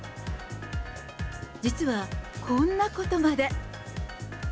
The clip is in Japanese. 実はこんなことまで。